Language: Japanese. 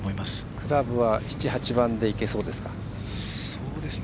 クラブは７８番でいけそうですか？